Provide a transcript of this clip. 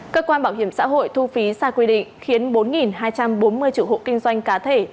cơ quan bảo hiểm xã hội thu phí sai quy định khiến bốn hai trăm bốn mươi triệu hộ kinh doanh cá thể